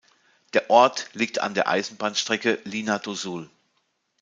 Der Ort liegt an der Eisenbahnstrecke Linha do Sul.